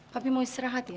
papi mau istirahat ya